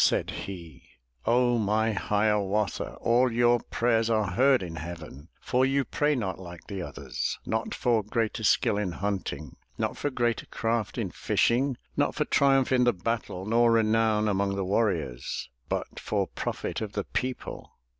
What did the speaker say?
Said he, 0 my Hiawatha! All your prayers are heard in heaven, For you pray not like the others; Not for greater skill in hunting. Not for greater craft in fishing, Not for triumph in the battle. Nor renown among the warriors. But for profit of the people.